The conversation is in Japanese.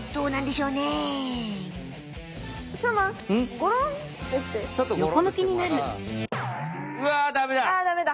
うわダメだ！